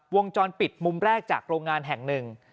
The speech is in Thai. วงจรปิดมุมแรกจากโรงงานแห่งหนึ่ง